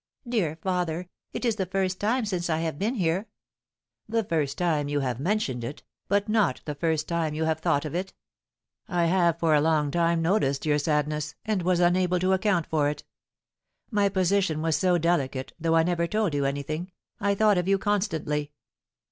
"Dear father, it is the first time since I have been here." "The first time you have mentioned it, but not the first time you have thought of it; I have for a long time noticed your sadness, and was unable to account for it. My position was so delicate, though I never told you anything, I thought of you constantly.